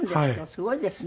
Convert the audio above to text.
すごいですね。